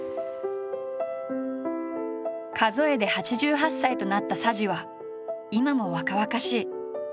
数えで８８歳となった佐治は今も若々しい。